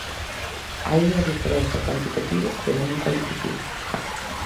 Hai unha diferenza cuantitativa pero non cualitativa.